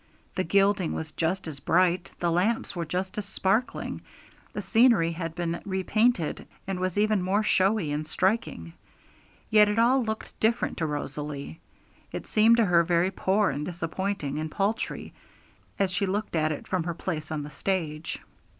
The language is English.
The gilding was just as bright, the lamps were just as sparkling, the scenery had been repainted, and was even more showy and striking. Yet it all looked different to Rosalie. It seemed to her very poor and disappointing and paltry, as she looked at it from her place on the stage.